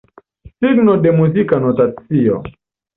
Signo de muzika notacio.